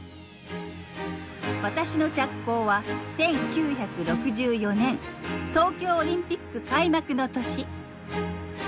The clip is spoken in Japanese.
私の着工は１９６４年東京オリンピック開幕の年。